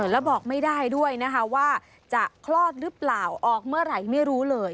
แล้วบอกไม่ได้ด้วยนะคะว่าจะคลอดหรือเปล่าออกเมื่อไหร่ไม่รู้เลย